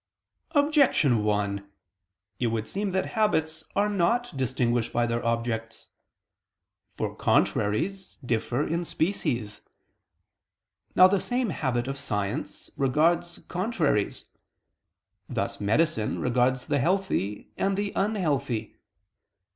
Objection 1: It would seem that habits are not distinguished by their objects. For contraries differ in species. Now the same habit of science regards contraries: thus medicine regards the healthy and the unhealthy.